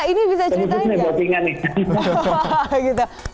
ini buat tingan ya